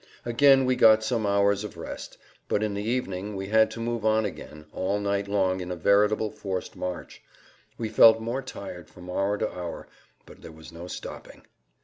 Again we got some hours of rest, but in the evening we had to move on again all night long in a veritable forced march. We felt more tired from hour to hour, but there was no stopping.